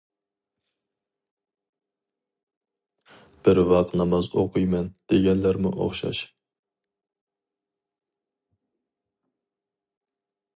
بىر ۋاق ناماز ئوقۇيمەن دېگەنلەرمۇ ئوخشاش.